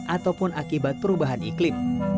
ataupun akibat perubahan iklim